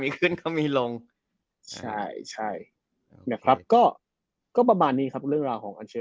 มีขึ้นเขามีลงใช่ใช่นะครับก็ก็ประมาณนี้ครับเรื่องราวของอัลเชล